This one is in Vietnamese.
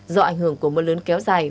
do ảnh hưởng của mưa lớn kéo dài